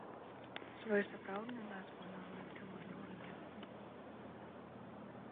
Сваю сапраўдную назву аналы атрымалі ў рымлян.